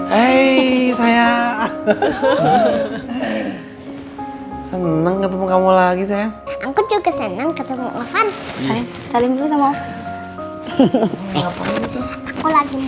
hei saya seneng ketemu kamu lagi saya juga senang ketemu lovan saling saling